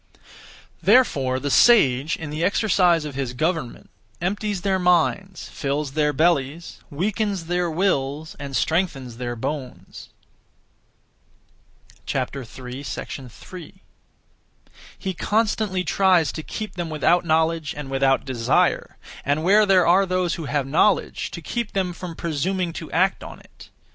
Therefore the sage, in the exercise of his government, empties their minds, fills their bellies, weakens their wills, and strengthens their bones. 3. He constantly (tries to) keep them without knowledge and without desire, and where there are those who have knowledge, to keep them from presuming to act (on it).